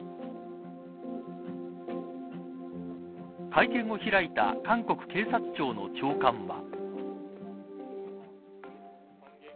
会見を開いた韓国警察庁の長官は。